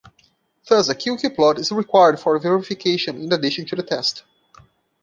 Thus a Q-Q plot is required for verification in addition to the test.